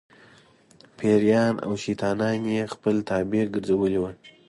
پېریان او شیطانان یې خپل تابع ګرځولي وو.